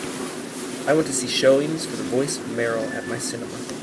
I want to see showings for The Voice of Merrill at my cinema.